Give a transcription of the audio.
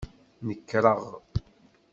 Nekreɣ.